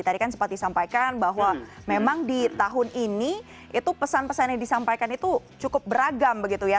tadi kan sempat disampaikan bahwa memang di tahun ini itu pesan pesan yang disampaikan itu cukup beragam begitu ya